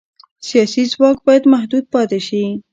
سیاسي ځواک باید محدود پاتې شي